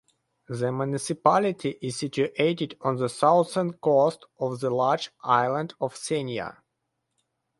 The municipality is situated on the southern coast of the large island of Senja.